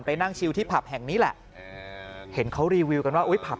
นั่งชิวที่ผับแห่งนี้แหละเห็นเขารีวิวกันว่าอุ้ยผับ